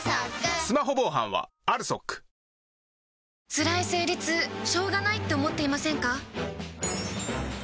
つらい生理痛しょうがないって思っていませんか？